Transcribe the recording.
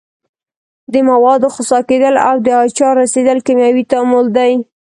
د موادو خسا کیدل او د آچار رسیدل کیمیاوي تعامل دي.